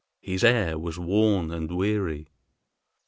His air was worn and weary.